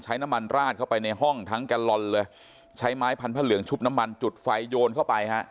น้ำมันราดเข้าไปในห้องทั้งแกลลอนเลยใช้ไม้พันผ้าเหลืองชุบน้ำมันจุดไฟโยนเข้าไปฮะ